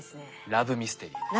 ラブミステリーです。